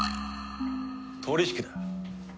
取引だ。